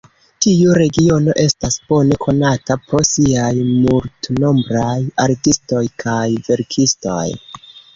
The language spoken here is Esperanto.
Tiu regiono estas bone konata pro siaj multnombraj artistoj kaj verkistoj.